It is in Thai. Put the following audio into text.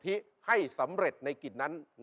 ให้สำเร็จในกิจนั้น